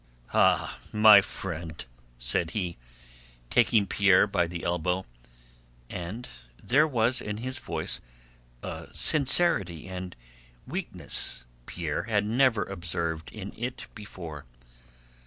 "Ah, my friend!" said he, taking Pierre by the elbow; and there was in his voice a sincerity and weakness Pierre had never observed in it before.